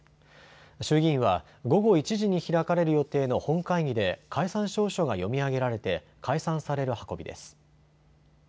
衆議院は午後１時に開かれる予定の本会議で解散詔書が読み上げられて解散される運びです。